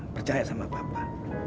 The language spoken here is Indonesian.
percaya sama papa